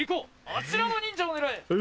あちらの忍者を狙え！